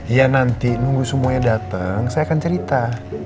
iya nanti nunggu semuanya datang saya akan cerita